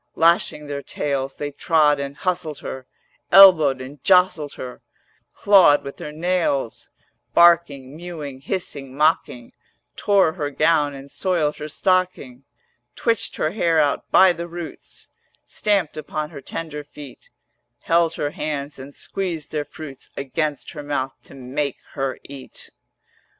Lashing their tails They trod and hustled her, Elbowed and jostled her, 400 Clawed with their nails, Barking, mewing, hissing, mocking, Tore her gown and soiled her stocking, Twitched her hair out by the roots, Stamped upon her tender feet, Held her hands and squeezed their fruits Against her mouth to make her eat.